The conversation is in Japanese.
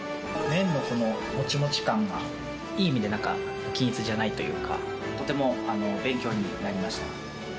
麺のこのモチモチ感がいい意味で何か均一じゃないというかとても勉強になりました